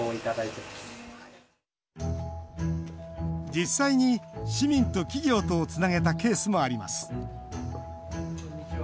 実際に市民と企業とをつなげたケースもあります。